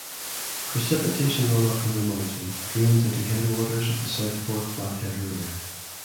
Precipitation runoff from the mountain drains into headwaters of the South Fork Flathead River.